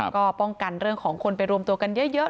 ก็ป้องกันเรื่องของคนไปรวมตัวกันเยอะ